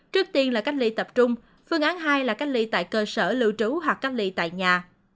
trước tiên là cách ly tập trung phương án hai là cách ly tại cơ sở lưu trú hoặc cách ly tại nhà